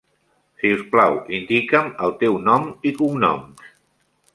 Si us plau, indica'm el teu nom i cognoms.